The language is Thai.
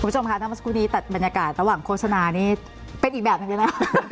ครับช่วงค่ะพร้อมชุดวันนี้แต่บรรยากาศระหว่างโฆษณานี้เป็นอีกแบบทั้งนี้นะ